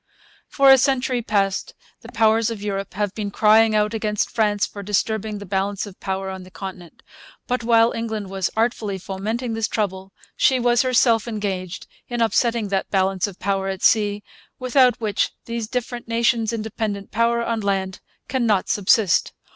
For a century past the Powers of Europe have been crying out against France for disturbing the balance of power on the Continent. But while England was artfully fomenting this trouble she was herself engaged in upsetting that balance of power at sea without which these different nations' independent power on land cannot subsist.